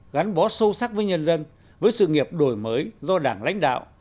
gắn bó sâu sắc với nhân dân với sự nghiệp đổi mới do đảng lãnh đạo